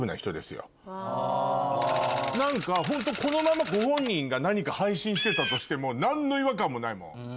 ホントこのままご本人が何か配信してたとしても何の違和感もないもん。